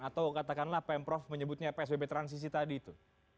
atau katakanlah pm prof menyebutnya psbb transisi tadi itu